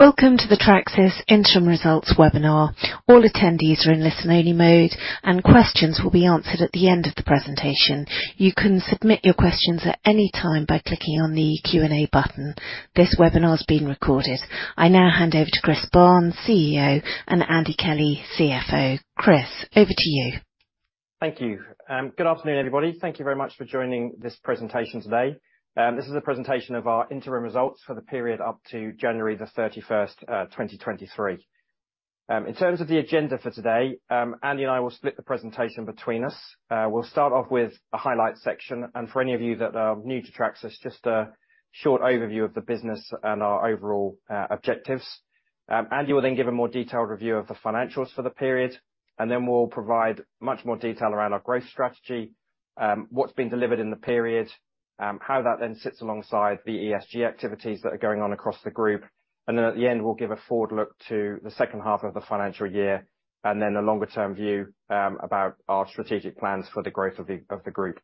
Welcome to the Tracsis Interim Results Webinar. All attendees are in listen-only mode, and questions will be answered at the end of the presentation. You can submit your questions at any time by clicking on the Q&A button. This webinar is being recorded. I now hand over to Chris Barnes, CEO, and Andy Kelly, CFO. Chris, over to you. Thank you. Good afternoon, everybody. Thank you very much for joining this presentation today. This is a presentation of our interim results for the period up to January 31st, 2023. In terms of the agenda for today, Andy and I will split the presentation between us. We'll start off with a highlight section. For any of you that are new to Tracsis, just a short overview of the business and our overall objectives. Andy will then give a more detailed review of the financials for the period. We'll provide much more detail around our growth strategy, what's been delivered in the period, how that then sits alongside the ESG activities that are going on across the group. At the end, we'll give a forward look to the second half of the financial year, and then a longer-term view about our strategic plans for the growth of the group.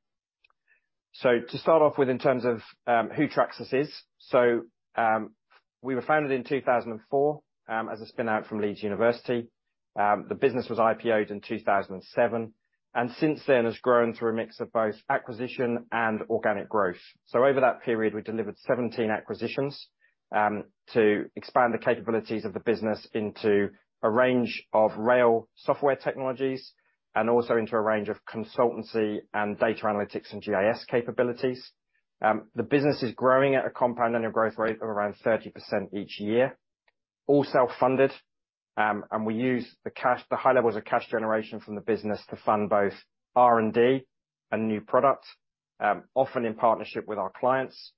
To start off with in terms of who Tracsis is. We were founded in 2004 as a spin out from University of Leeds. The business was IPO'd in 2007, and since then has grown through a mix of both acquisition and organic growth. Over that period, we delivered 17 acquisitions to expand the capabilities of the business into a range of rail software technologies and also into a range of consultancy and data analytics and GIS capabilities. The business is growing at a compound annual growth rate of around 30% each year. All self-funded. We use the cash, the high levels of cash generation from the business to fund both R&D and new products, often in partnership with our clients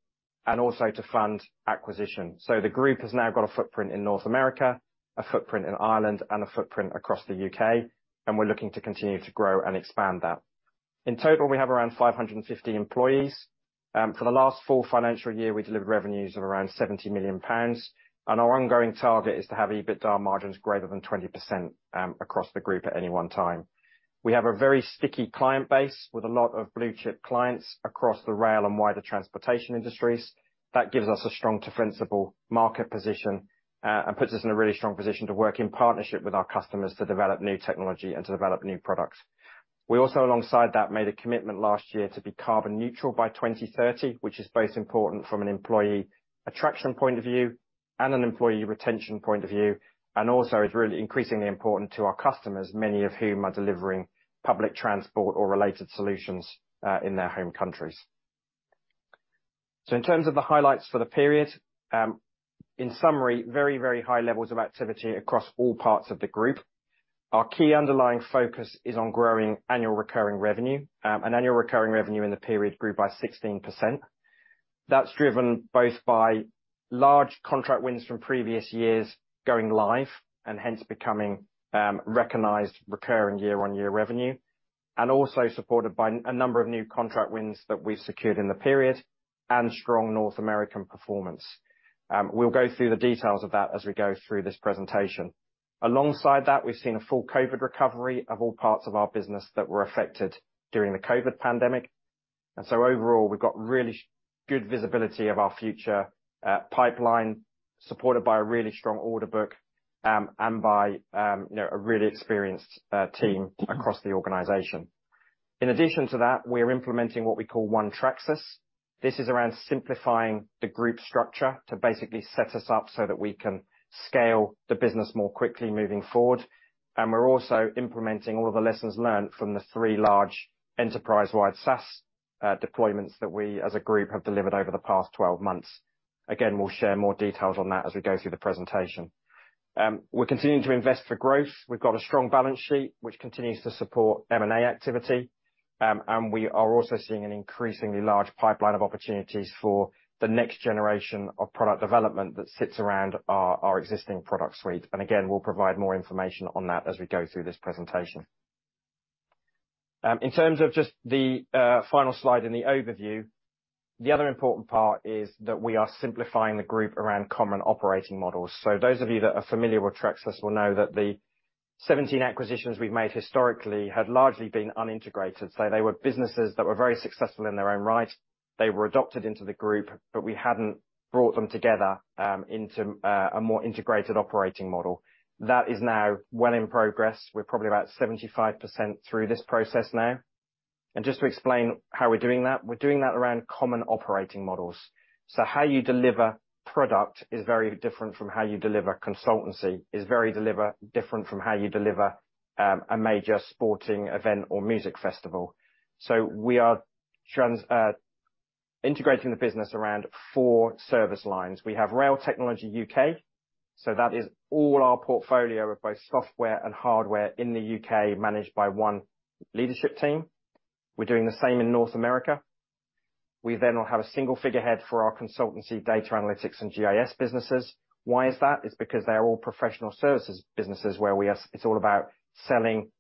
and also to fund acquisition. The group has now got a footprint in North America, a footprint in Ireland and a footprint across the UK, and we're looking to continue to grow and expand that. In total, we have around 550 employees. For the last full financial year, we delivered revenues of around 70 million pounds, and our ongoing target is to have EBITDA margins greater than 20% across the group at any one time. We have a very sticky client base with a lot of blue chip clients across the rail and wider transportation industries. That gives us a strong defensible market position and puts us in a really strong position to work in partnership with our customers to develop new technology and to develop new products. We also, alongside that, made a commitment last year to be carbon neutral by 2030, which is both important from an employee attraction point of view and an employee retention point of view, and also is really increasingly important to our customers, many of whom are delivering public transport or related solutions in their home countries. In terms of the highlights for the period, in summary, very high levels of activity across all parts of the group. Our key underlying focus is on growing annual recurring revenue, and annual recurring revenue in the period grew by 16%. That's driven both by large contract wins from previous years going live and hence becoming recognized recurring year-on-year revenue, and also supported by a number of new contract wins that we secured in the period and strong North American performance. We'll go through the details of that as we go through this presentation. Alongside that, we've seen a full COVID recovery of all parts of our business that were affected during the COVID pandemic. Overall, we've got really good visibility of our future pipeline, supported by a really strong order book, and by, you know, a really experienced team across the organization. In addition to that, we are implementing what we call One Tracsis. This is around simplifying the group structure to basically set us up so that we can scale the business more quickly moving forward. We're also implementing all of the lessons learned from the 3 large enterprise-wide SaaS deployments that we, as a group, have delivered over the past 12 months. We'll share more details on that as we go through the presentation. We're continuing to invest for growth. We've got a strong balance sheet, which continues to support M&A activity. We are also seeing an increasingly large pipeline of opportunities for the next generation of product development that sits around our existing product suite. We'll provide more information on that as we go through this presentation. In terms of just the final slide in the overview, the other important part is that we are simplifying the group around common operating models. Those of you that are familiar with Tracsis will know that the 17 acquisitions we've made historically had largely been unintegrated. They were businesses that were very successful in their own right. They were adopted into the group, but we hadn't brought them together into a more integrated operating model. That is now well in progress. We're probably about 75% through this process now. Just to explain how we're doing that, we're doing that around common operating models. How you deliver product is very different from how you deliver consultancy. It's very different from how you deliver a major sporting event or music festival. We are integrating the business around 4 service lines. We have Rail Technology UK. That is all our portfolio of both software and hardware in the U.K., managed by 1 leadership team. We're doing the same in North America. We will have a single figurehead for our consultancy data analytics and GIS businesses. Why is that? It's because they're all professional services businesses where it's all about selling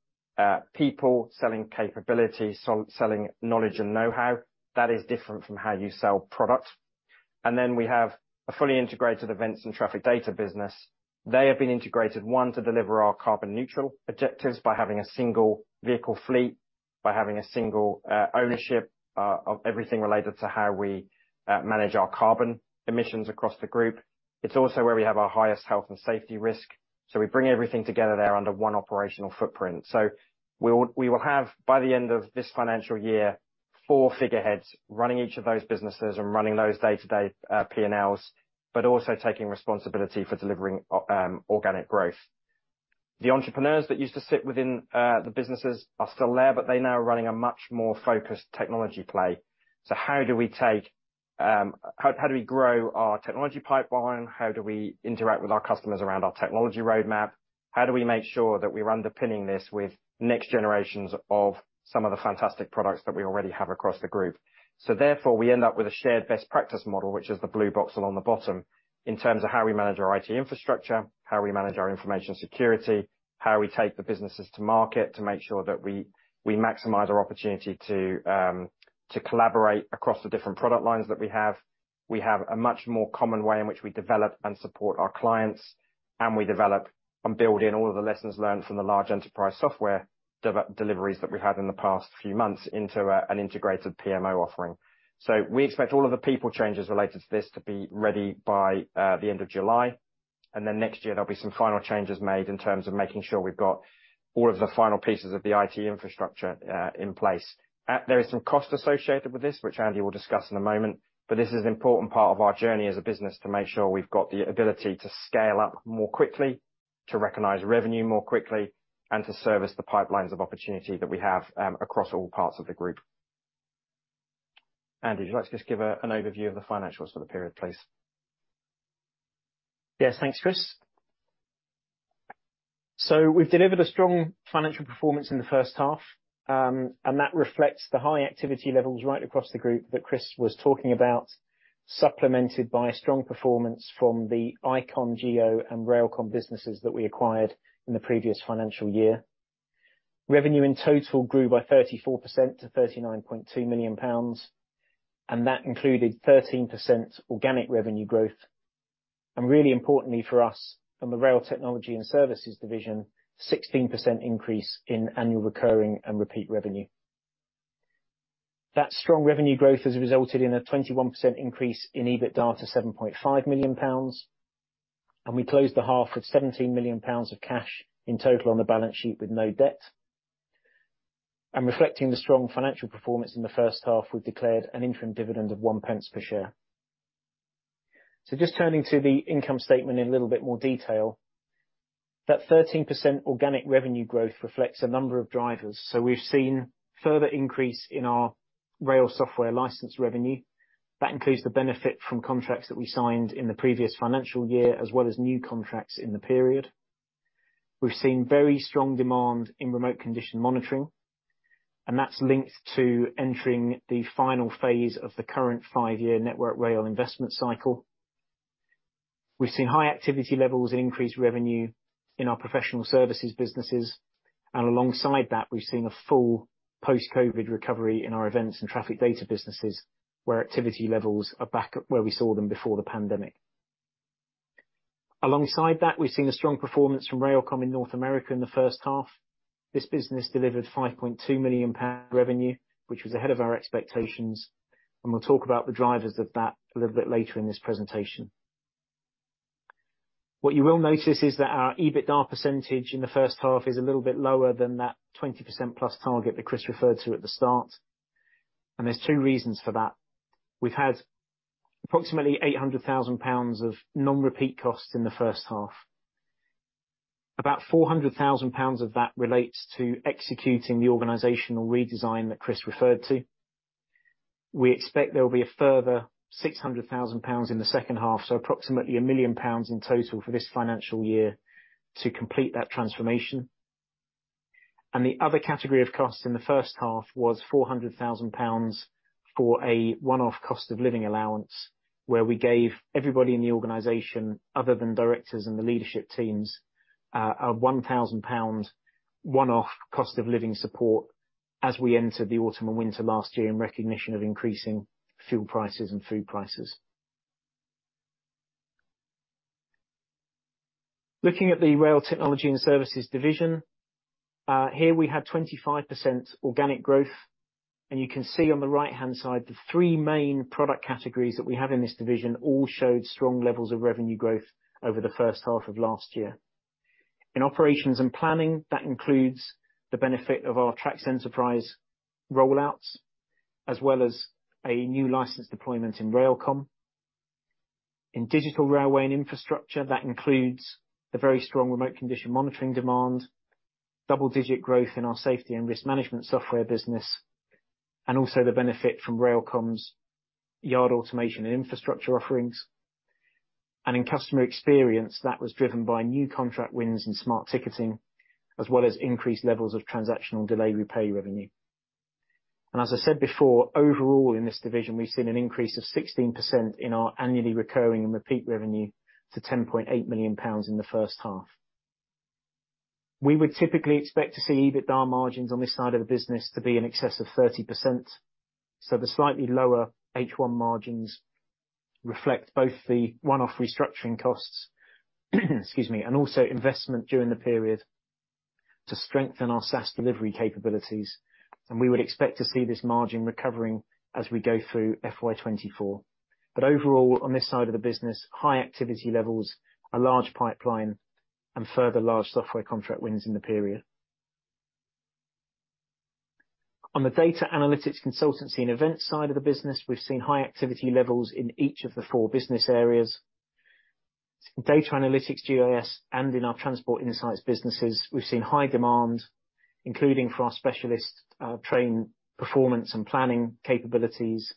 people, selling capability, selling knowledge and know-how. That is different from how you sell product. We have a fully integrated events and traffic data business. They have been integrated, one, to deliver our carbon neutral objectives by having a single vehicle fleet by having a single ownership of everything related to how we manage our carbon emissions across the group. It's also where we have our highest health and safety risk, so we bring everything together there under one operational footprint. We will have, by the end of this financial year, four figureheads running each of those businesses and running those day-to-day P&Ls, but also taking responsibility for delivering organic growth. The entrepreneurs that used to sit within the businesses are still there, but they're now running a much more focused technology play. How do we take, how do we grow our technology pipeline? How do we interact with our customers around our technology roadmap? How do we make sure that we're underpinning this with next generations of some of the fantastic products that we already have across the group? Therefore, we end up with a shared best practice model, which is the blue box along the bottom, in terms of how we manage our IT infrastructure, how we manage our information security, how we take the businesses to market to make sure that we maximize our opportunity to collaborate across the different product lines that we have. We have a much more common way in which we develop and support our clients, and we develop and build in all of the lessons learned from the large enterprise software deliveries that we've had in the past few months into an integrated PMO offering. We expect all of the people changes related to this to be ready by the end of July. Then next year, there'll be some final changes made in terms of making sure we've got all of the final pieces of the IT infrastructure in place. There is some cost associated with this, which Andy will discuss in a moment, but this is an important part of our journey as a business to make sure we've got the ability to scale up more quickly, to recognize revenue more quickly, and to service the pipelines of opportunity that we have across all parts of the group. Andy, would you like to just give a, an overview of the financials for the period, please? Yes. Thanks, Chris. We've delivered a strong financial performance in the first half, and that reflects the high activity levels right across the group that Chris was talking about, supplemented by strong performance from the Icon Geo and RailComm businesses that we acquired in the previous financial year. Revenue in total grew by 34% to 39.2 million pounds, that included 13% organic revenue growth. Really importantly for us, in the Rail Technology and Services division, 16% increase in annual recurring and repeat revenue. That strong revenue growth has resulted in a 21% increase in EBITDA to 7.5 million pounds, and we closed the half with 17 million pounds of cash in total on the balance sheet with no debt. Reflecting the strong financial performance in the first half, we've declared an interim dividend of 1 pence per share. Just turning to the income statement in a little bit more detail. That 13% organic revenue growth reflects a number of drivers. We've seen further increase in our rail software license revenue. That includes the benefit from contracts that we signed in the previous financial year, as well as new contracts in the period. We've seen very strong demand in remote condition monitoring, and that's linked to entering the final phase of the current 5-year Network Rail investment cycle. We've seen high activity levels and increased revenue in our professional services businesses. Alongside that, we've seen a full post-COVID recovery in our events and traffic data businesses, where activity levels are back up where we saw them before the pandemic. We've seen a strong performance from RailComm in North America in the first half. This business delivered 5.2 million pound revenue, which was ahead of our expectations. We'll talk about the drivers of that a little bit later in this presentation. What you will notice is that our EBITDA percentage in the first half is a little bit lower than that 20%+ target that Chris referred to at the start. There's 2 reasons for that. We've had approximately 800,000 pounds of non-repeat costs in the first half. About 400,000 pounds of that relates to executing the organizational redesign that Chris referred to. We expect there will be a further 600,000 pounds in the second half, so approximately 1 million pounds in total for this financial year to complete that transformation. The other category of costs in the first half was 400,000 pounds for a one-off cost of living allowance, where we gave everybody in the organization, other than directors and the leadership teams, a 1,000 pound one-off cost of living support as we entered the autumn and winter last year in recognition of increasing fuel prices and food prices. Looking at the Rail Technology and Services division, here we had 25% organic growth, and you can see on the right-hand side the three main product categories that we have in this division all showed strong levels of revenue growth over the first half of last year. In operations and planning, that includes the benefit of our TRACS Enterprise rollouts, as well as a new license deployment in RailComm. In digital railway and infrastructure, that includes the very strong remote condition monitoring demand, double-digit growth in our safety and risk management software business, and also the benefit from RailComm's Yard Automation and infrastructure offerings. In customer experience, that was driven by new contract wins and smart ticketing, as well as increased levels of transactional Delay Repay revenue. As I said before, overall in this division, we've seen an increase of 16% in our annually recurring and repeat revenue to 10.8 million pounds in the first half. We would typically expect to see EBITDA margins on this side of the business to be in excess of 30%. The slightly lower H1 margins reflect both the one-off restructuring costs, excuse me, and also investment during the period to strengthen our SaaS delivery capabilities. We would expect to see this margin recovering as we go through FY 2024. Overall, on this side of the business, high activity levels, a large pipeline and further large software contract wins in the period. On the data analytics, consultancy, and event side of the business, we've seen high activity levels in each of the four business areas. Data analytics, GIS, and in our transport insights businesses, we've seen high demand, including for our specialist train performance and planning capabilities,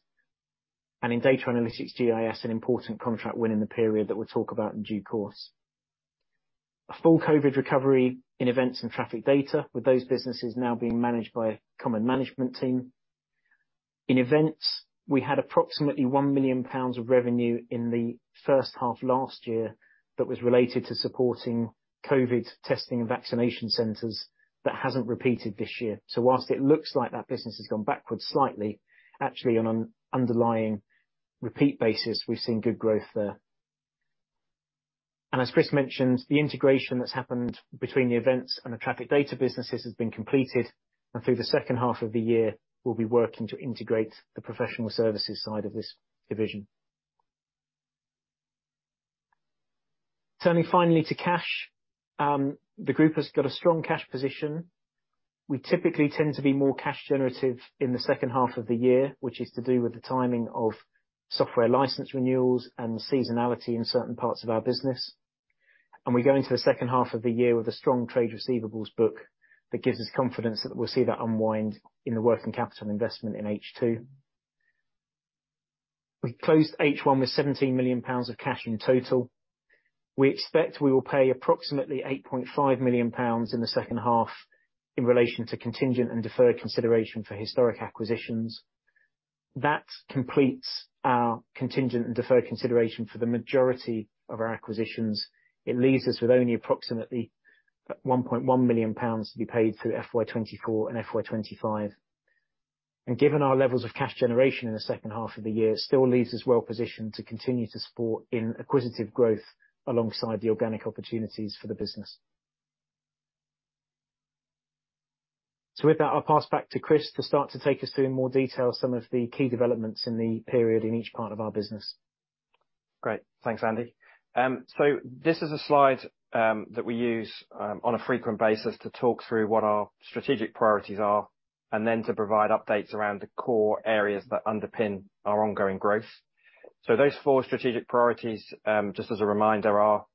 and in data analytics, GIS, an important contract win in the period that we'll talk about in due course. A full COVID recovery in events and traffic data, with those businesses now being managed by a common management team. In events, we had approximately 1 million pounds of revenue in the first half last year that was related to supporting COVID testing and vaccination centers that hasn't repeated this year. Whilst it looks like that business has gone backwards slightly, actually on an underlying repeat basis, we've seen good growth there. As Chris mentioned, the integration that's happened between the events and the traffic data businesses has been completed, and through the second half of the year, we'll be working to integrate the professional services side of this division. Turning finally to cash. The group has got a strong cash position. We typically tend to be more cash generative in the second half of the year, which is to do with the timing of software license renewals and seasonality in certain parts of our business. We go into the second half of the year with a strong trade receivables book that gives us confidence that we'll see that unwind in the working capital investment in H2. We closed H1 with 17 million pounds of cash in total. We expect we will pay approximately 8.5 million pounds in the second half in relation to contingent and deferred consideration for historic acquisitions. That completes our contingent and deferred consideration for the majority of our acquisitions. It leaves us with only approximately 1.1 million pounds to be paid through FY 2024 and FY 2025. Given our levels of cash generation in the second half of the year, still leaves us well positioned to continue to support in acquisitive growth alongside the organic opportunities for the business. With that, I'll pass back to Chris to start to take us through in more detail some of the key developments in the period in each part of our business. Great. Thanks, Andy. This is a slide that we use on a frequent basis to talk through what our strategic priorities are and then to provide updates around the core areas that underpin our ongoing growth. Those four strategic priorities, just as a reminder, are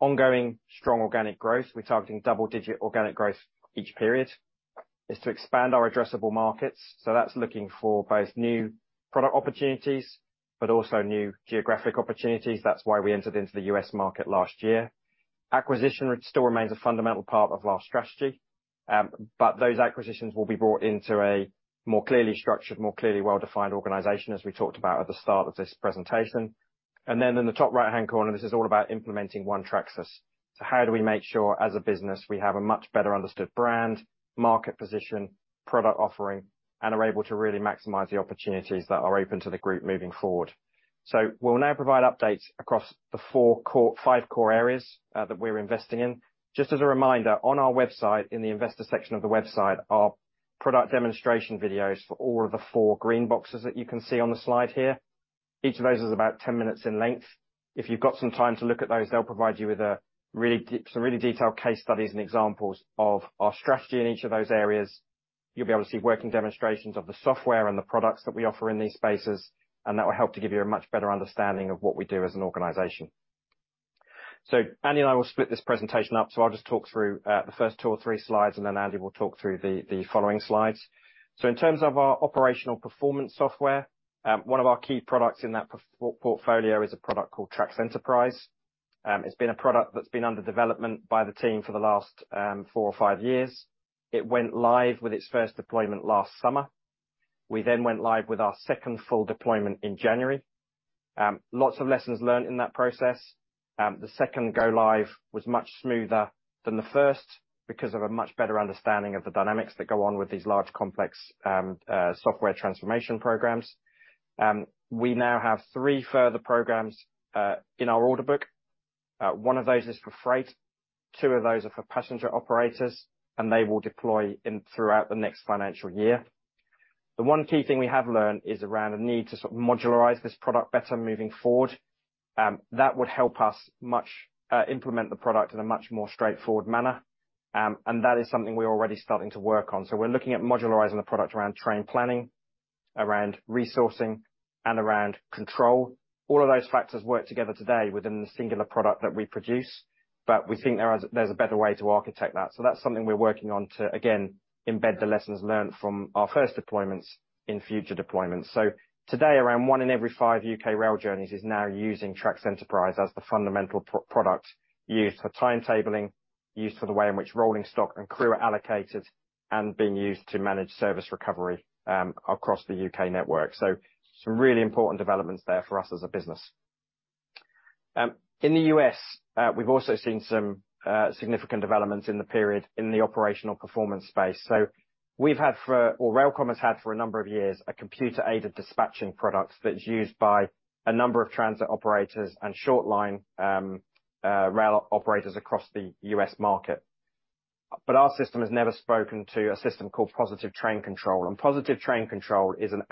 ongoing strong organic growth. We're targeting double-digit organic growth each period. Is to expand our addressable markets, so that's looking for both new product opportunities but also new geographic opportunities. That's why we entered into the U.S. market last year. Acquisition still remains a fundamental part of our strategy, but those acquisitions will be brought into a more clearly structured, more clearly well-defined organization, as we talked about at the start of this presentation. Then in the top right-hand corner, this is all about implementing One Tracsis. How do we make sure, as a business, we have a much better understood brand, market position, product offering, and are able to really maximize the opportunities that are open to the group moving forward? We'll now provide updates across the five core areas that we're investing in. Just as a reminder, on our website, in the investor section of the website, are product demonstration videos for all of the 4 green boxes that you can see on the slide here. Each of those is about 10 minutes in length. If you've got some time to look at those, they'll provide you with some really detailed case studies and examples of our strategy in each of those areas. You'll be able to see working demonstrations of the software and the products that we offer in these spaces, and that will help to give you a much better understanding of what we do as an organization. Andy and I will split this presentation up. I'll just talk through the first two or three slides, and then Andy will talk through the following slides. In terms of our operational performance software, one of our key products in that portfolio is a product called TRACS Enterprise. It's been a product that's been under development by the team for the last four or five years. It went live with its first deployment last summer. We then went live with our second full deployment in January. Lots of lessons learned in that process. The second go live was much smoother than the first because of a much better understanding of the dynamics that go on with these large, complex software transformation programs. We now have three further programs in our order book. One of those is for freight, two of those are for passenger operators, and they will deploy throughout the next financial year. The one key thing we have learned is around a need to sort of modularize this product better moving forward. That would help us implement the product in a much more straightforward manner, and that is something we're already starting to work on. We're looking at modularizing the product around train planning, around resourcing, and around control. All of those factors work together today within the singular product that we produce, but we think there's a better way to architect that. That's something we're working on to, again, embed the lessons learned from our first deployments in future deployments. Today, around one in every five UK rail journeys is now using TRACS Enterprise as the fundamental product used for timetabling, used for the way in which rolling stock and crew are allocated, and being used to manage service recovery across the UK network. Some really important developments there for us as a business. In the U.S., we've also seen some significant developments in the period in the operational performance space. We've had for or RailComm has had for a number of years, a Computer Aided Dispatching product that's used by a number of transit operators and short line rail operators across the U.S. market. Our system has never spoken to a system called Positive Train Control. Positive Train Control is an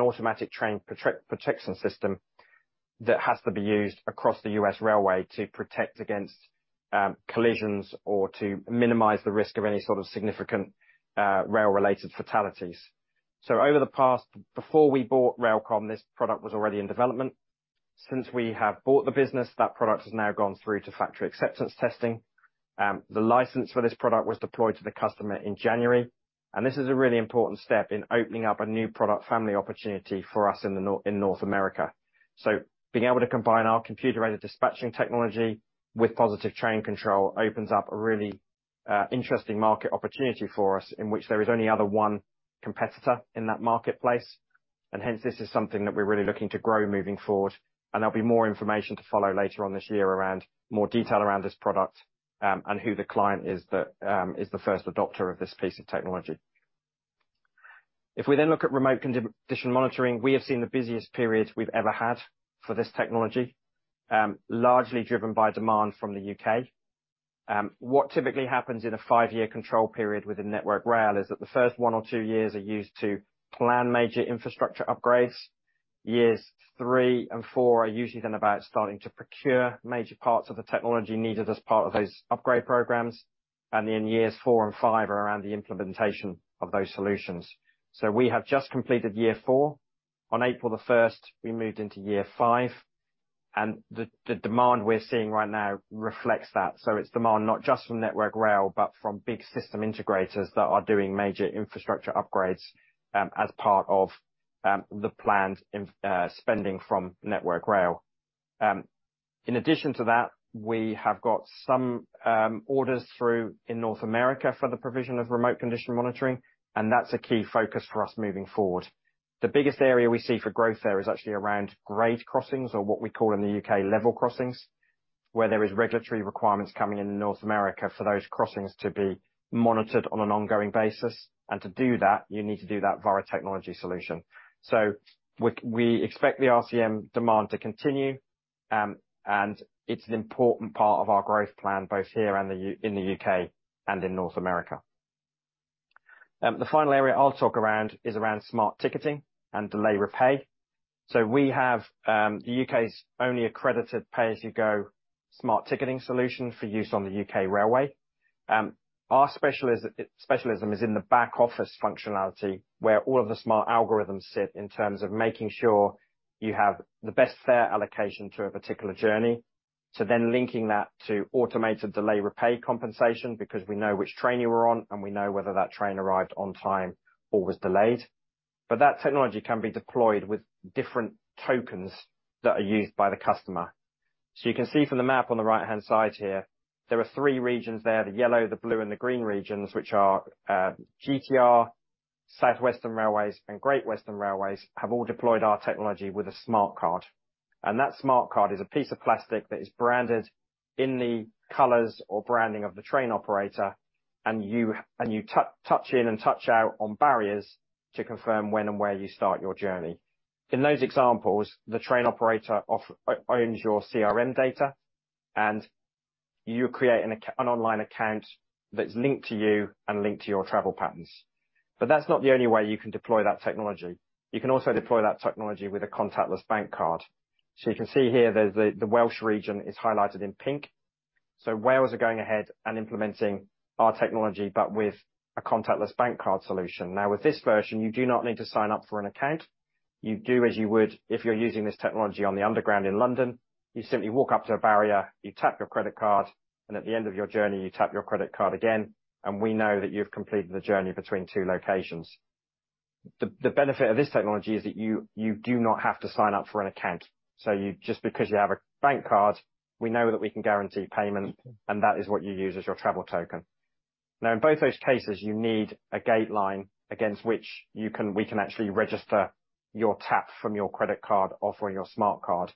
automatic train protection system that has to be used across the U.S. railway to protect against collisions or to minimize the risk of any sort of significant rail-related fatalities. Before we bought RailComm, this product was already in development. Since we have bought the business, that product has now gone through to factory acceptance testing. The license for this product was deployed to the customer in January. This is a really important step in opening up a new product family opportunity for us in North America. Being able to combine our Computer Aided Dispatching technology with Positive Train Control opens up a really interesting market opportunity for us in which there is only other one competitor in that marketplace. This is something that we're really looking to grow moving forward. There'll be more information to follow later on this year around more detail around this product and who the client is that is the first adopter of this piece of technology. If we look at remote condition monitoring, we have seen the busiest periods we've ever had for this technology, largely driven by demand from the U.K. What typically happens in a 5-year control period within Network Rail is that the first 1 or 2 years are used to plan major infrastructure upgrades. Years 3 and 4 are usually then about starting to procure major parts of the technology needed as part of those upgrade programs. Years 4 and 5 are around the implementation of those solutions. We have just completed year 4. On April 1st, we moved into year 5, and the demand we're seeing right now reflects that. It's demand not just from Network Rail, but from big system integrators that are doing major infrastructure upgrades as part of the planned spending from Network Rail. In addition to that, we have got some orders through in North America for the provision of remote condition monitoring, and that's a key focus for us moving forward. The biggest area we see for growth there is actually around grade crossings or what we call in the U.K., level crossings, where there is regulatory requirements coming into North America for those crossings to be monitored on an ongoing basis. To do that, you need to do that via technology solution. We expect the RCM demand to continue, and it's an important part of our growth plan, both here and in the U.K. and in North America. The final area I'll talk around is around smart ticketing and Delay Repay. We have the U.K.'s only accredited pay-as-you-go smart ticketing solution for use on the U.K. railway. Our specialism is in the back office functionality, where all of the smart algorithms sit in terms of making sure you have the best fare allocation to a particular journey. Linking that to automated Delay Repay compensation because we know which train you were on, and we know whether that train arrived on time or was delayed. That technology can be deployed with different tokens that are used by the customer. You can see from the map on the right-hand side here, there are three regions there, the yellow, the blue, and the green regions, which are GTR, South Western Railway, and Great Western Railway, have all deployed our technology with a smart card. That smart card is a piece of plastic that is branded in the colors or branding of the train operator, you touch in and touch out on barriers to confirm when and where you start your journey. In those examples, the train operator owns your CRM data, and you create an online account that's linked to you and linked to your travel patterns. That's not the only way you can deploy that technology. You can also deploy that technology with a contactless bank card. You can see here there's the Welsh region is highlighted in pink. Wales are going ahead and implementing our technology, but with a contactless bank card solution. Now, with this version, you do not need to sign up for an account. You do as you would if you're using this technology on the Underground in London. You simply walk up to a barrier, you tap your credit card. At the end of your journey, you tap your credit card again, and we know that you've completed the journey between 2 locations. The benefit of this technology is that you do not have to sign up for an account, so just because you have a bank card, we know that we can guarantee payment, and that is what you use as your travel token. In both those cases, you need a gate line against which we can actually register your tap from your credit card or from your smart card.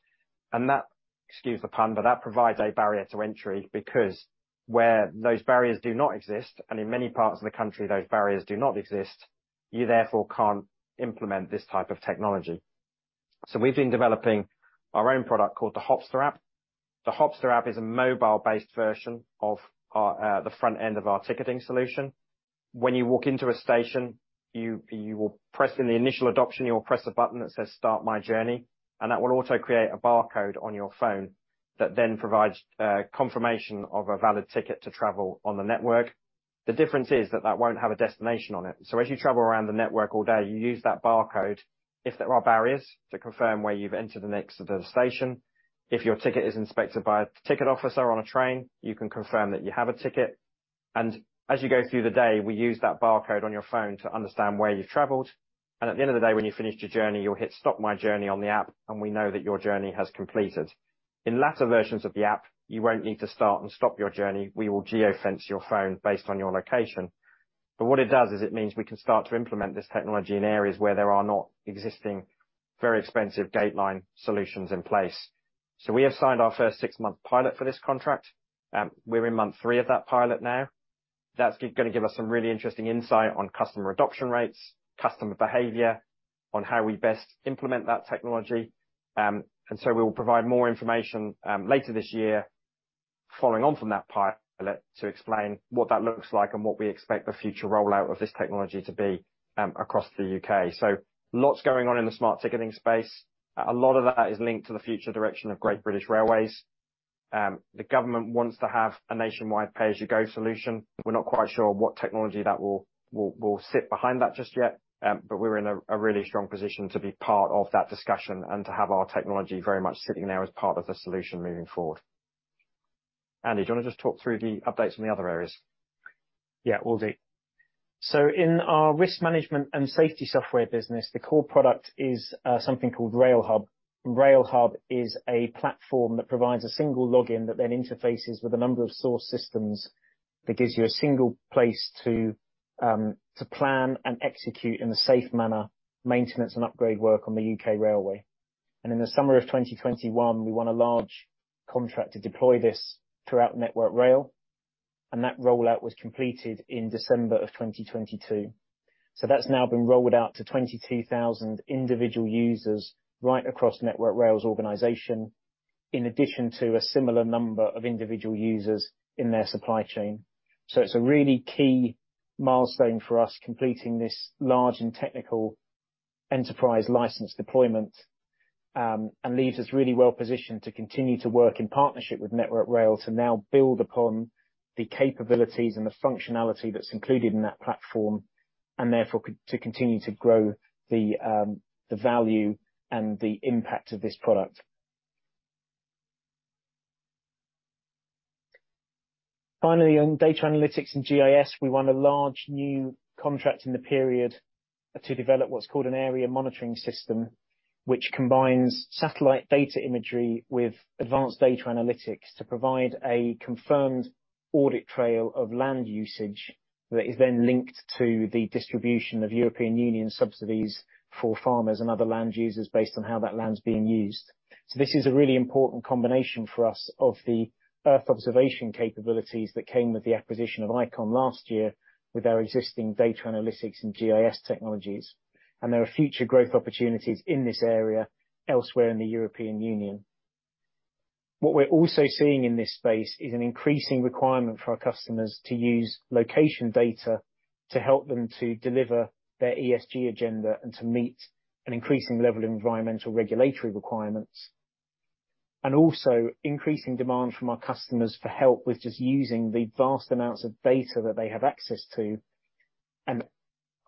That, excuse the pun, but that provides a barrier to entry because where those barriers do not exist, and in many parts of the country, those barriers do not exist, you therefore can't implement this type of technology. We've been developing our own product called the Hopsta app. The Hopsta app is a mobile-based version of our, the front end of our ticketing solution. When you walk into a station, you will press In the initial adoption, you will press a button that says, "Start my journey," and that will auto-create a barcode on your phone that then provides confirmation of a valid ticket to travel on the network. The difference is that that won't have a destination on it. As you travel around the network all day, you use that barcode, if there are barriers, to confirm where you've entered and exited the station. If your ticket is inspected by a ticket officer on a train, you can confirm that you have a ticket. As you go through the day, we use that barcode on your phone to understand where you've traveled. At the end of the day, when you've finished your journey, you'll hit stop my journey on the app, and we know that your journey has completed. In latter versions of the app, you won't need to start and stop your journey. We will geofence your phone based on your location. What it does is it means we can start to implement this technology in areas where there are not existing very expensive gate line solutions in place. We have signed our first 6-month pilot for this contract. We're in month 3 of that pilot now. That's gonna give us some really interesting insight on customer adoption rates, customer behavior, on how we best implement that technology. We will provide more information later this year following on from that pilot to explain what that looks like and what we expect the future rollout of this technology to be across the U.K. Lots going on in the smart ticketing space. A lot of that is linked to the future direction of Great British Railways. The government wants to have a nationwide pay-as-you-go solution. We're not quite sure what technology that will sit behind that just yet. We're in a really strong position to be part of that discussion and to have our technology very much sitting there as part of the solution moving forward. Andy, do you wanna just talk through the updates on the other areas? Yeah, will do. In our risk management and safety software business, the core product is something called RailHub. RailHub is a platform that provides a single login that then interfaces with a number of source systems that gives you a single place to plan and execute in a safe manner, maintenance and upgrade work on the U.K. railway. In the summer of 2021, we won a large contract to deploy this throughout Network Rail. That rollout was completed in December of 2022. That's now been rolled out to 22,000 individual users right across Network Rail's organization, in addition to a similar number of individual users in their supply chain. It's a really key milestone for us, completing this large and technical enterprise license deployment, and leaves us really well positioned to continue to work in partnership with Network Rail to now build upon the capabilities and the functionality that's included in that platform, and therefore to continue to grow the value and the impact of this product. Finally, on data analytics and GIS, we won a large new contract in the period to develop what's called an Area Monitoring System, which combines satellite data imagery with advanced data analytics to provide a confirmed audit trail of land usage that is then linked to the distribution of European Union subsidies for farmers and other land users based on how that land's being used. This is a really important combination for us of the earth observation capabilities that came with the acquisition of Icon last year with our existing data analytics and GIS technologies. There are future growth opportunities in this area elsewhere in the European Union. We're also seeing in this space is an increasing requirement for our customers to use location data to help them to deliver their ESG agenda and to meet an increasing level of environmental regulatory requirements. Also increasing demand from our customers for help with just using the vast amounts of data that they have access to, and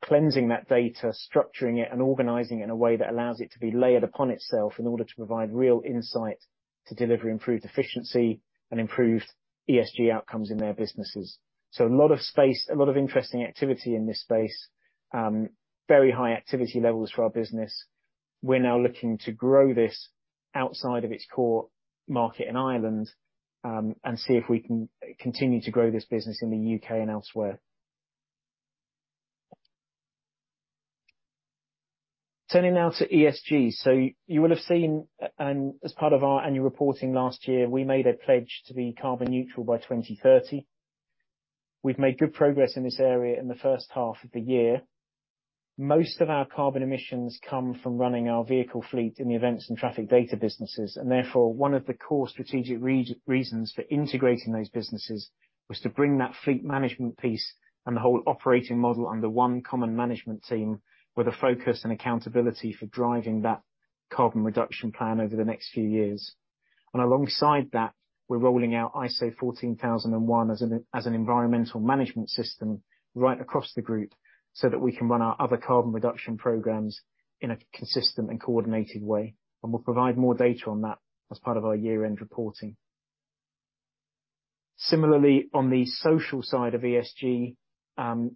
cleansing that data, structuring it, and organizing it in a way that allows it to be layered upon itself in order to provide real insight to deliver improved efficiency and improved ESG outcomes in their businesses. A lot of interesting activity in this space. Very high activity levels for our business. We're now looking to grow this outside of its core market in Ireland, and see if we can continue to grow this business in the UK and elsewhere. Turning now to ESG. You will have seen, and as part of our annual reporting last year, we made a pledge to be carbon neutral by 2030. We've made good progress in this area in the first half of the year. Most of our carbon emissions come from running our vehicle fleet in the events and traffic data businesses, and therefore, one of the core strategic reasons for integrating those businesses was to bring that fleet management piece and the whole operating model under one common management team with a focus and accountability for driving that carbon reduction plan over the next few years. Alongside that, we're rolling out ISO 14001 as an environmental management system right across the group so that we can run our other carbon reduction programs in a consistent and coordinated way, and we'll provide more data on that as part of our year-end reporting. Similarly, on the social side of ESG,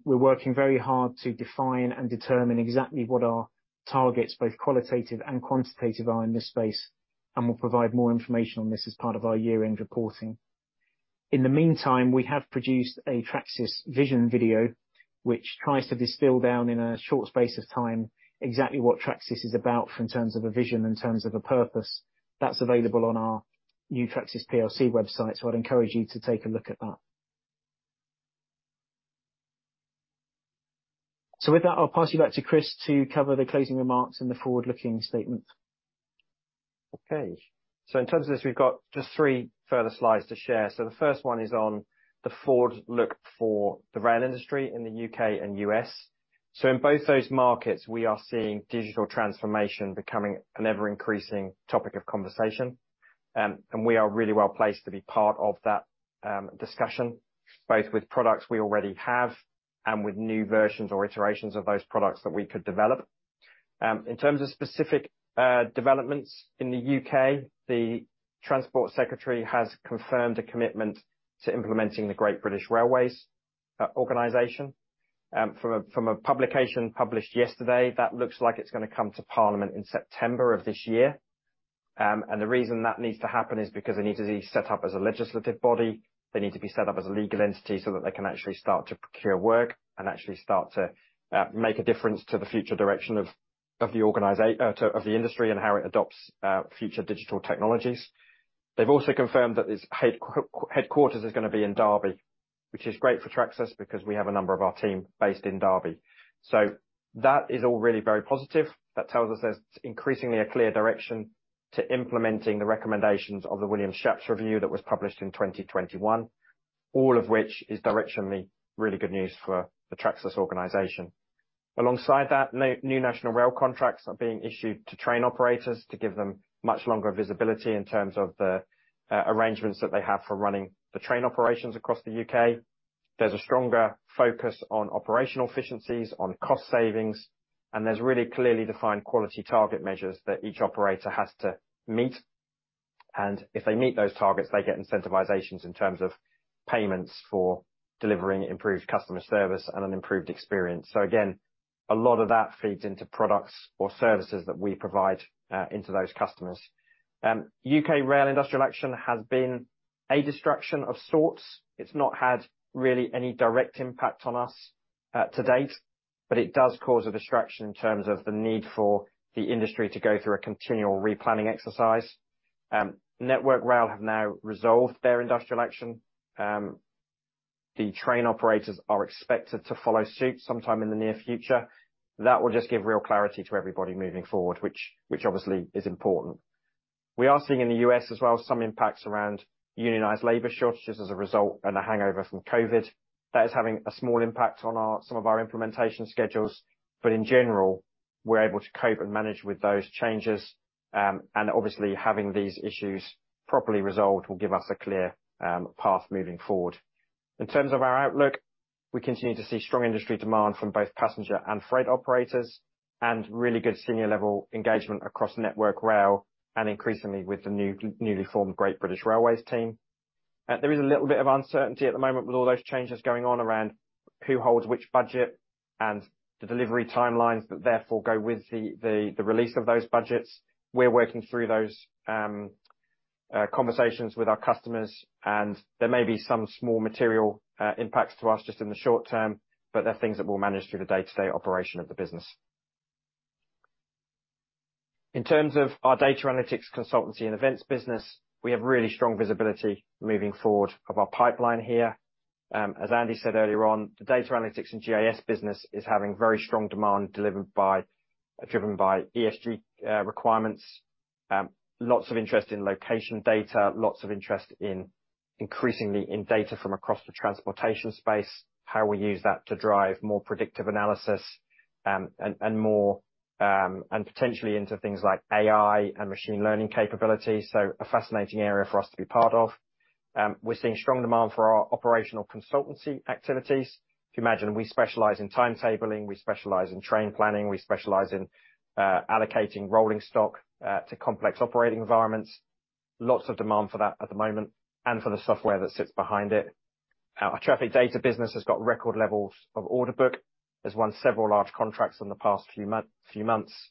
we're working very hard to define and determine exactly what our targets, both qualitative and quantitative, are in this space, and we'll provide more information on this as part of our year-end reporting. In the meantime, we have produced a Tracsis vision video which tries to distill down in a short space of time exactly what Tracsis is about in terms of a vision, in terms of a purpose. That's available on our new Tracsis plc website, I'd encourage you to take a look at that. With that, I'll pass you back to Chris to cover the closing remarks and the forward-looking statements. In terms of this, we've got just 3 further slides to share. The first one is on the forward look for the rail industry in the UK and U.S. In both those markets, we are seeing digital transformation becoming an ever-increasing topic of conversation. And we are really well placed to be part of that discussion, both with products we already have and with new versions or iterations of those products that we could develop. In terms of specific developments in the UK, the Transport Secretary has confirmed a commitment to implementing the Great British Railways organization. From a publication published yesterday, that looks like it's gonna come to Parliament in September of this year. The reason that needs to happen is because they need to be set up as a legislative body. They need to be set up as a legal entity so that they can actually start to procure work and actually start to make a difference to the future direction of the industry and how it adopts future digital technologies. They've also confirmed that its headquarters is going to be in Derby, which is great for Tracsis because we have a number of our team based in Derby. That is all really very positive. That tells us there's increasingly a clear direction to implementing the recommendations of the Williams-Shapps review that was published in 2021, all of which is directionally really good news for the Tracsis organization. Alongside that, new National Rail contracts are being issued to train operators to give them much longer visibility in terms of the arrangements that they have for running the train operations across the UK. There's a stronger focus on operational efficiencies, on cost savings, and there's really clearly defined quality target measures that each operator has to meet, and if they meet those targets, they get incentivizations in terms of payments for delivering improved customer service and an improved experience. Again, a lot of that feeds into products or services that we provide into those customers. UK rail industrial action has been a distraction of sorts. It's not had really any direct impact on us to date, but it does cause a distraction in terms of the need for the industry to go through a continual replanning exercise. Network Rail have now resolved their industrial action. The train operators are expected to follow suit sometime in the near future. That will just give real clarity to everybody moving forward, which obviously is important. We are seeing in the U.S. as well, some impacts around unionized labor shortages as a result and a hangover from COVID. That is having a small impact on our, some of our implementation schedules, but in general, we're able to cope and manage with those changes. Obviously having these issues properly resolved will give us a clear path moving forward. In terms of our outlook, we continue to see strong industry demand from both passenger and freight operators, and really good senior level engagement across Network Rail and increasingly with the newly formed Great British Railways team. There is a little bit of uncertainty at the moment with all those changes going on around who holds which budget and the delivery timelines that therefore go with the release of those budgets. We're working through those conversations with our customers, and there may be some small material impacts to us just in the short term, but they're things that we'll manage through the day-to-day operation of the business. In terms of our data analytics consultancy and events business, we have really strong visibility moving forward of our pipeline here. As Andy said earlier on, the data analytics and GIS business is having very strong demand driven by ESG requirements. Lots of interest in location data, lots of interest in increasingly in data from across the transportation space, how we use that to drive more predictive analysis, and more, and potentially into things like AI and machine learning capabilities. A fascinating area for us to be part of. We're seeing strong demand for our operational consultancy activities. If you imagine we specialize in timetabling, we specialize in train planning, we specialize in allocating rolling stock to complex operating environments. Lots of demand for that at the moment and for the software that sits behind it. Our traffic data business has got record levels of order book. Has won several large contracts in the past few months.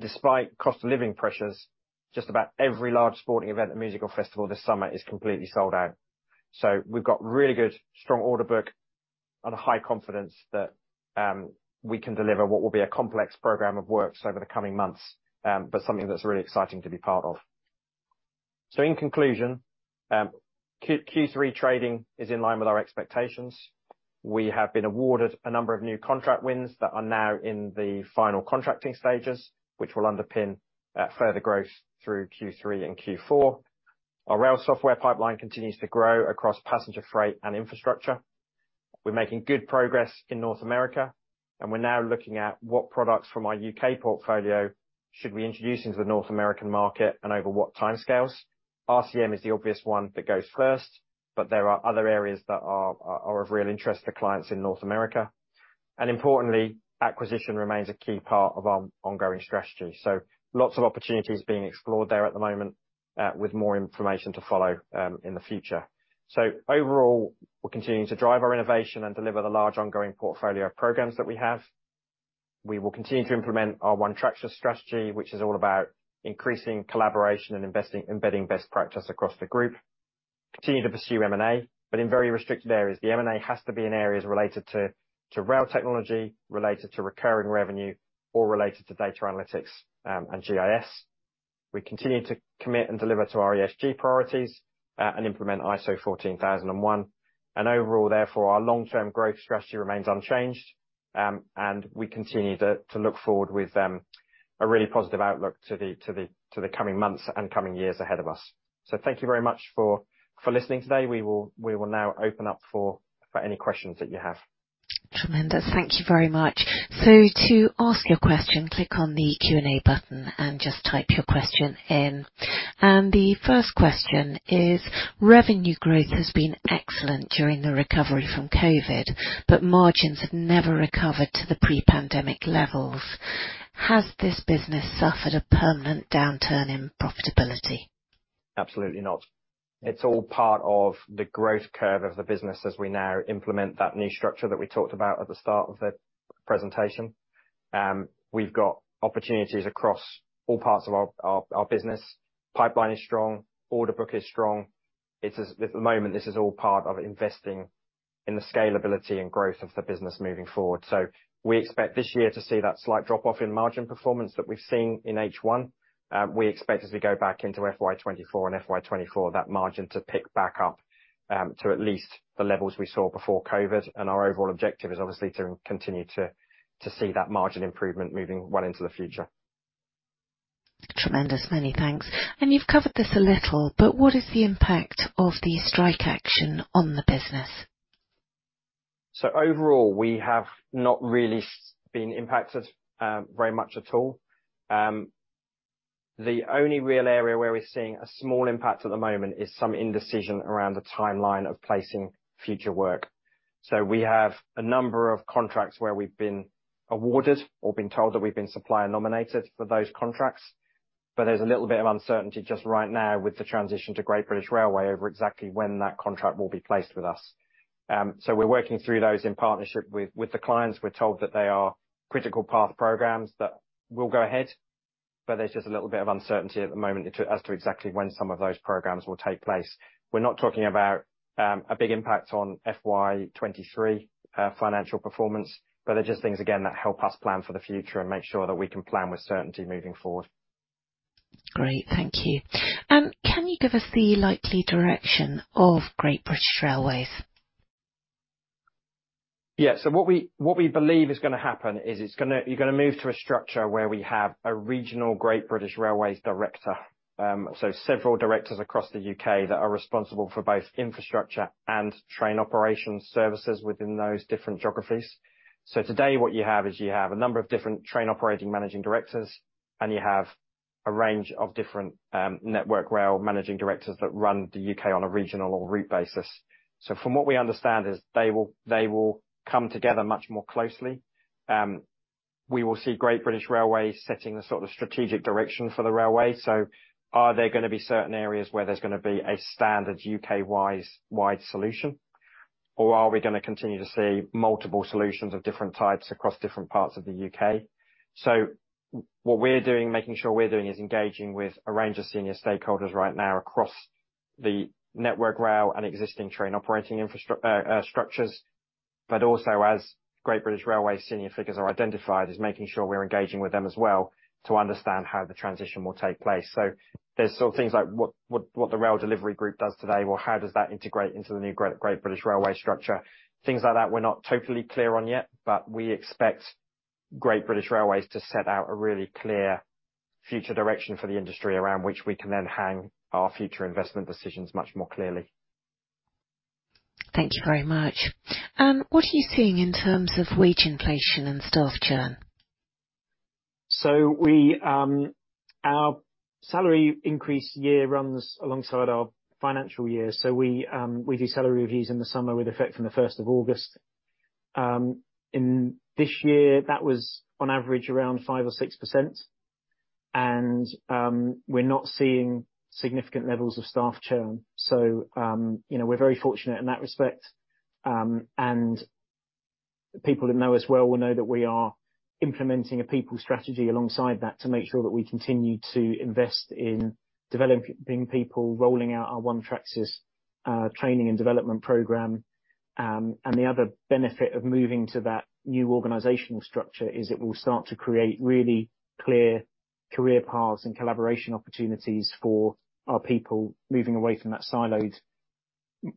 Despite cost of living pressures, just about every large sporting event and musical festival this summer is completely sold out. We've got really good strong order book and a high confidence that we can deliver what will be a complex program of works over the coming months, but something that's really exciting to be part of. In conclusion, Q-Q3 trading is in line with our expectations. We have been awarded a number of new contract wins that are now in the final contracting stages, which will underpin further growth through Q3 and Q4. Our rail software pipeline continues to grow across passenger freight and infrastructure. We're making good progress in North America, and we're now looking at what products from our UK portfolio should we introduce into the North American market and over what timescales. RCM is the obvious one that goes first, but there are other areas that are of real interest to clients in North America. Importantly, acquisition remains a key part of our ongoing strategy. Lots of opportunities being explored there at the moment, with more information to follow in the future. Overall, we're continuing to drive our innovation and deliver the large ongoing portfolio of programs that we have. We will continue to implement our One Tracsis strategy, which is all about increasing collaboration and embedding best practice across the group. Continue to pursue M&A, but in very restricted areas. The M&A has to be in areas related to rail technology, related to recurring revenue, or related to data analytics, and GIS. We continue to commit and deliver to our ESG priorities, and implement ISO 14001. Overall, therefore, our long-term growth strategy remains unchanged, and we continue to look forward with a really positive outlook to the coming months and coming years ahead of us. Thank you very much for listening today. We will now open up for any questions that you have. Tremendous. Thank you very much. To ask your question, click on the Q&A button and just type your question in. The first question is: Revenue growth has been excellent during the recovery from COVID, but margins have never recovered to the pre-pandemic levels. Has this business suffered a permanent downturn in profitability? Absolutely not. It's all part of the growth curve of the business as we now implement that new structure that we talked about at the start of the presentation. We've got opportunities across all parts of our business. Pipeline is strong. Order book is strong. At the moment, this is all part of investing in the scalability and growth of the business moving forward. We expect this year to see that slight drop-off in margin performance that we've seen in H1. We expect as we go back into FY 2024 and FY 2024, that margin to pick back up to at least the levels we saw before COVID. Our overall objective is obviously to continue to see that margin improvement moving well into the future. Tremendous. Many thanks. You've covered this a little, but what is the impact of the strike action on the business? Overall, we have not really been impacted very much at all. The only real area where we're seeing a small impact at the moment is some indecision around the timeline of placing future work. We have a number of contracts where we've been awarded or been told that we've been supplier nominated for those contracts, but there's a little bit of uncertainty just right now with the transition to Great British Railways over exactly when that contract will be placed with us. We're working through those in partnership with the clients. We're told that they are critical path programs that will go ahead, but there's just a little bit of uncertainty at the moment as to exactly when some of those programs will take place. We're not talking about a big impact on FY 2023 financial performance, but they're just things, again, that help us plan for the future and make sure that we can plan with certainty moving forward. Great. Thank you. Can you give us the likely direction of Great British Railways? Yeah. What we believe is gonna happen is it's gonna you're gonna move to a structure where we have a regional Great British Railways director, several directors across the U.K. that are responsible for both infrastructure and train operations services within those different geographies. Today, what you have is you have a number of different train operating managing directors, and you have a range of different Network Rail managing directors that run the U.K. on a regional or route basis. From what we understand is they will come together much more closely. We will see Great British Railways setting the sort of strategic direction for the railway. Are there gonna be certain areas where there's gonna be a standard U.K.-wise, wide solution? Are we going to continue to see multiple solutions of different types across different parts of the U.K.? What we're doing, making sure we're doing is engaging with a range of senior stakeholders right now across the Network Rail and existing train operating structures, also as Great British Railways senior figures are identified, is making sure we're engaging with them as well to understand how the transition will take place. There's still things like what the Rail Delivery Group does today. How does that integrate into the new Great British Railways structure? Things like that we're not totally clear on yet. We expect Great British Railways to set out a really clear future direction for the industry around which we can then hang our future investment decisions much more clearly. Thank you very much. What are you seeing in terms of wage inflation and staff churn? Our salary increase year runs alongside our financial year. We do salary reviews in the summer with effect from the first of August. In this year, that was on average around 5% or 6%. We're not seeing significant levels of staff churn. You know, we're very fortunate in that respect. People who know us well will know that we are implementing a people strategy alongside that to make sure that we continue to invest in developing people, rolling out our One Tracsis training and development program. The other benefit of moving to that new organizational structure is it will start to create really clear career paths and collaboration opportunities for our people moving away from that siloed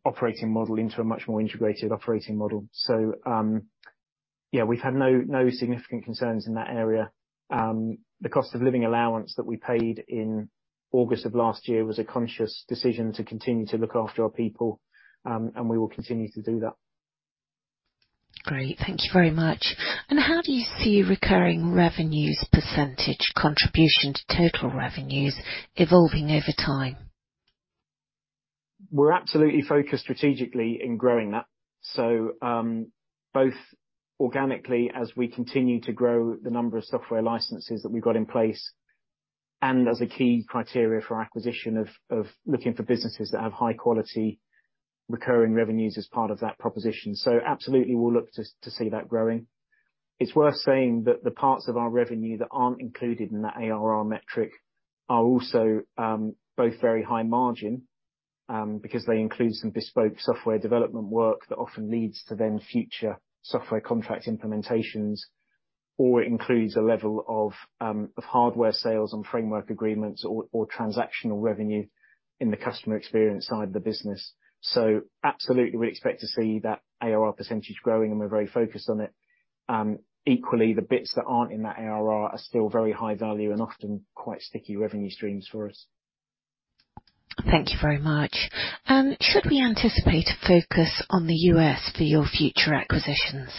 operating model into a much more integrated operating model. Yeah, we've had no significant concerns in that area. The cost of living allowance that we paid in August of last year was a conscious decision to continue to look after our people, and we will continue to do that. Great. Thank you very much. How do you see recurring revenue % contribution to total revenues evolving over time? We're absolutely focused strategically in growing that. Both organically as we continue to grow the number of software licenses that we've got in place and as a key criteria for acquisition of looking for businesses that have high quality recurring revenues as part of that proposition. Absolutely we'll look to see that growing. It's worth saying that the parts of our revenue that aren't included in that ARR metric are also both very high margin because they include some bespoke software development work that often leads to then future software contract implementations, or it includes a level of hardware sales and framework agreements or transactional revenue in the customer experience side of the business. Absolutely, we expect to see that ARR percentage growing, and we're very focused on it. Equally, the bits that aren't in that ARR are still very high value and often quite sticky revenue streams for us. Thank you very much. Should we anticipate a focus on the U.S. for your future acquisitions?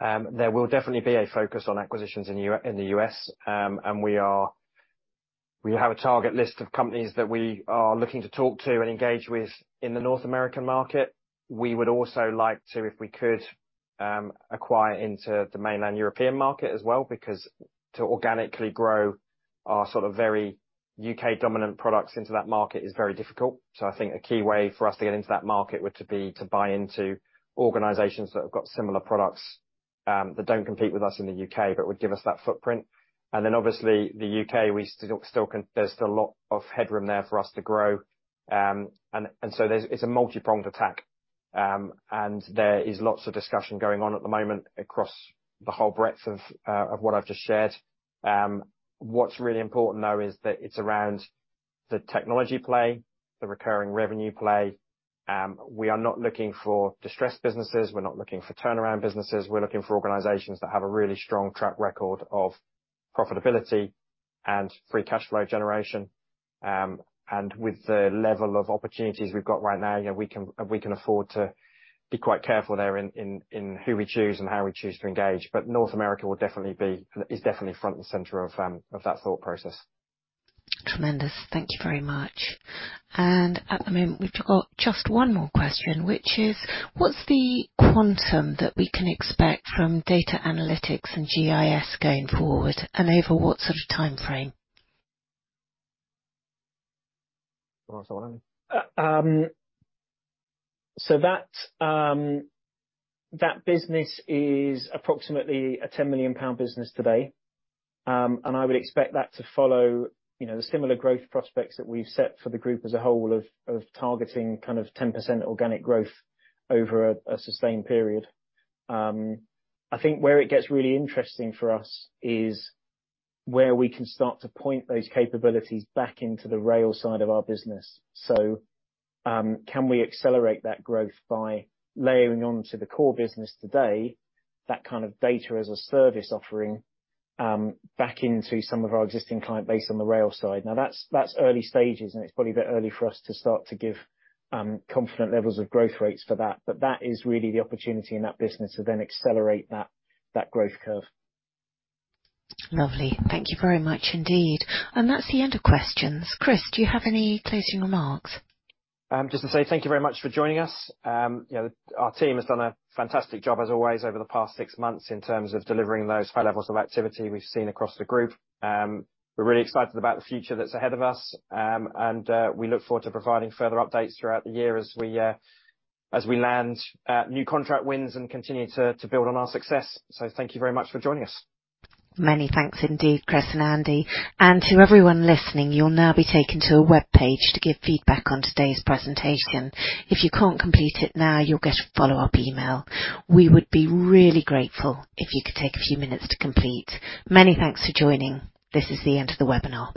There will definitely be a focus on acquisitions in the U.S., and we have a target list of companies that we are looking to talk to and engage with in the North American market. We would also like to, if we could, acquire into the mainland European market as well, because to organically grow our sort of very U.K. dominant products into that market is very difficult. I think a key way for us to get into that market would to be to buy into organizations that have got similar products that don't compete with us in the U.K., but would give us that footprint. Obviously, the U.K. we still, there's still a lot of headroom there for us to grow. It's a multipronged attack. There is lots of discussion going on at the moment across the whole breadth of what I've just shared. What's really important though is that it's around the technology play, the recurring revenue play. We are not looking for distressed businesses. We're not looking for turnaround businesses. We're looking for organizations that have a really strong track record of profitability and free cash flow generation. With the level of opportunities we've got right now, you know, we can afford to be quite careful there in who we choose and how we choose to engage. North America is definitely front and center of that thought process. Tremendous. Thank you very much. At the moment, we've got just one more question, which is what's the quantum that we can expect from data analytics and GIS going forward, and over what sort of time frame? That business is approximately a 10 million pound business today. I would expect that to follow, you know, the similar growth prospects that we've set for the group as a whole of targeting kind of 10% organic growth over a sustained period. I think where it gets really interesting for us is where we can start to point those capabilities back into the rail side of our business. Can we accelerate that growth by layering on to the core business today, that kind of data as a service offering, back into some of our existing client base on the rail side? That's, that's early stages, and it's probably a bit early for us to start to give, confident levels of growth rates for that. That is really the opportunity in that business to then accelerate that growth curve. Lovely. Thank you very much indeed. That's the end of questions. Chris, do you have any closing remarks? Just to say thank you very much for joining us. You know, our team has done a fantastic job as always over the past six months in terms of delivering those high levels of activity we've seen across the group. We're really excited about the future that's ahead of us. We look forward to providing further updates throughout the year as we, as we land, new contract wins and continue to build on our success. Thank you very much for joining us. Many thanks indeed, Chris and Andy. To everyone listening, you'll now be taken to a webpage to give feedback on today's presentation. If you can't complete it now, you'll get a follow-up email. We would be really grateful if you could take a few minutes to complete. Many thanks for joining. This is the end of the webinar.